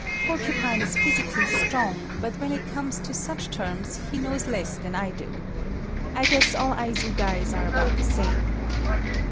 Porcupine is physically strong, but when it comes to such terms, he knows less than I do. I guess all Aizu guys are about the same.